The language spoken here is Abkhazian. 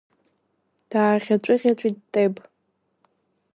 Дааӷьаҵәыӷьа-ҵәит Теб.